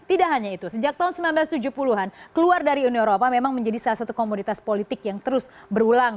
tidak hanya itu sejak tahun seribu sembilan ratus tujuh puluh an keluar dari uni eropa memang menjadi salah satu komoditas politik yang terus berulang